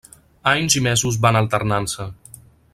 Anys i mesos van alternant-se.